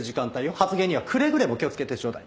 発言にはくれぐれも気をつけてちょうだい。